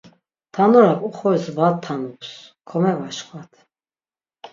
Mtanurak oxoris va tanups, komevaşkvat!